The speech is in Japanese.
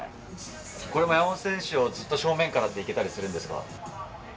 これも山本選手をずっと正面からっていけたりするんですか。